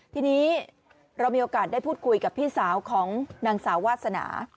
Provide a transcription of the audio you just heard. ทีนี้เรามีโอกาสได้พูดคุยกับพี่สาวของนางสาววาสนา